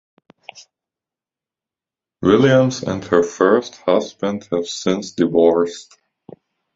Williams and her first husband have since divorced.